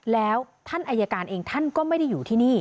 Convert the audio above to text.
แล้วท่านอายการเองท่านก็ไม่ได้อยู่ที่นี่